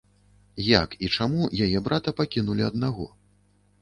Як і чаму яе брата пакінулі аднаго?